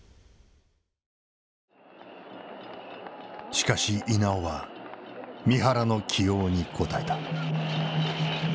しかし稲尾は三原の起用に応えた。